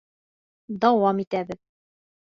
Дауам итәбеҙ.